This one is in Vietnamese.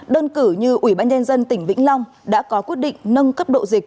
đơn cử như ủy ban nhân dân tỉnh vĩnh long đã có quyết định nâng cấp độ dịch